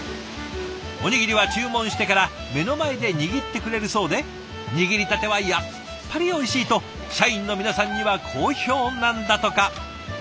おにぎりは注文してから目の前で握ってくれるそうで「握りたてはやっぱりおいしい！」と社員の皆さんには好評なんだとか。